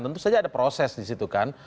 tentu saja ada proses disitu kan